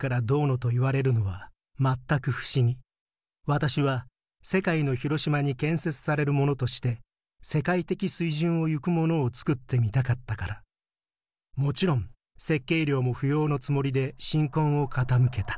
私は世界の広島に建設されるものとして世界的水準をゆくものを作ってみたかったからもちろん設計料も不要のつもりで心魂を傾けた」。